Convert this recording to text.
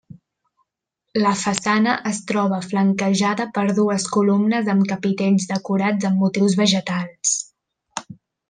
La façana es troba flanquejada per dues columnes amb capitells decorats amb motius vegetals.